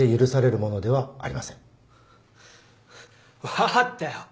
分かったよ。